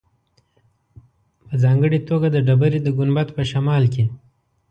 په ځانګړې توګه د ډبرې د ګنبد په شمال کې.